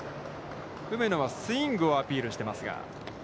梅野はスイングをアピールしていますが。